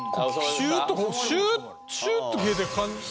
シューッとこうシューッと消えていく感じ。